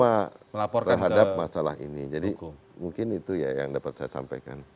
pertama terhadap masalah ini jadi mungkin itu ya yang dapat saya sampaikan